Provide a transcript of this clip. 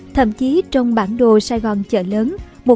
thậm chí trong bản đồ sài gòn chợ lớn